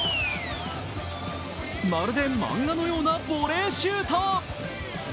まるで漫画のようなボレーシュート。